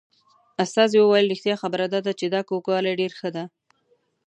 استازي وویل رښتیا خبره دا ده چې دا کوږوالی ډېر ښه دی.